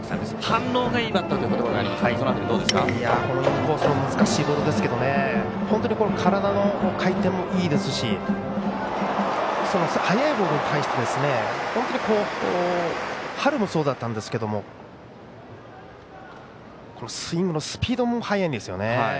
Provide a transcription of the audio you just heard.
反応がいいバッターという言葉がインコースの難しいボールですけど本当に体の回転もいいですし速いボールに対して本当に、春もそうだったんですがこのスイングのスピードも速いんですよね。